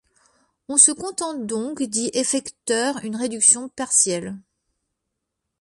On se contente donc d'y effecteur une réduction partielle.